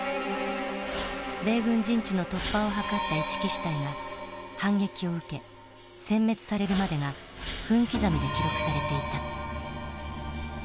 米軍陣地の突破を図った一木支隊が反撃を受けせん滅されるまでが分刻みで記録されていた。